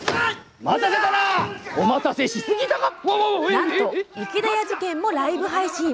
なんと、池田屋事件もライブ配信！